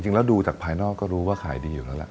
จริงแล้วดูจากภายนอกก็รู้ว่าขายดีอยู่แล้วแหละ